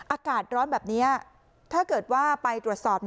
อากาศร้อนแบบนี้ถ้าเกิดว่าไปตรวจสอบ